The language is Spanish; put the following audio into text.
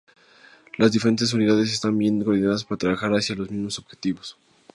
Las diferentes unidades están bien coordinadas para trabajar hacia los mismos objetivos.